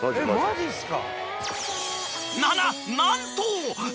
マジっすか？